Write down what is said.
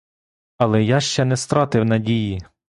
Але я ще не стратив надії.